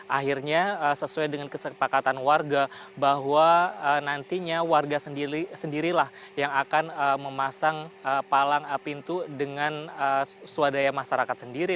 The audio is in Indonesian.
akhirnya sesuai dengan kesepakatan warga bahwa nantinya warga sendirilah yang akan memasang palang pintu dengan swadaya masyarakat sendiri